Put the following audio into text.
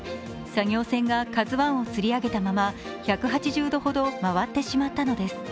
作業船が「ＫＡＺＵⅠ」を引き揚げた１８０度ほど回ってしまったのです。